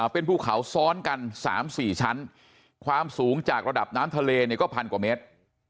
เป็นภูเขาซ้อนกัน๓๔ชั้นความสูงจากระดับน้ำทะเลเนี่ยก็พันกว่าเมตร